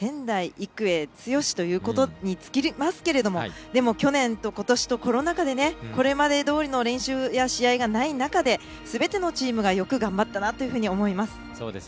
育英強しということに尽きますけれどもでも、去年とことしとコロナ禍でこれまでどおりの練習や試合がない中ですべてのチームがよく頑張ったなというふうに思います。